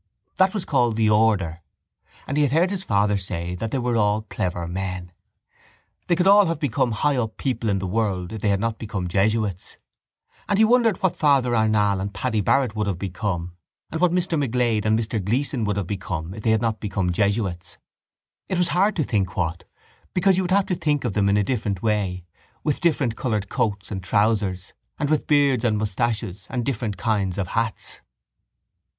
That was called the order: and he had heard his father say that they were all clever men. They could all have become high up people in the world if they had not become jesuits. And he wondered what Father Arnall and Paddy Barrett would have become and what Mr McGlade and Mr Gleeson would have become if they had not become jesuits. It was hard to think what because you would have to think of them in a different way with different coloured coats and trousers and with beards and moustaches and different kinds of hats.